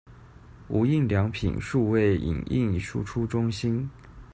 無印良品數位影印輸出中心